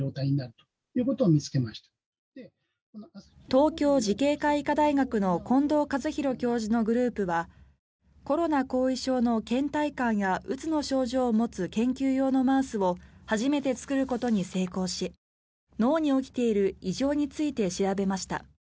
東京慈恵会医科大学の近藤一博教授のグループはコロナ後遺症のけん怠感やうつの症状を持つ研究用のマウスを初めて作ることに成功し脳に起きている異常について調べました。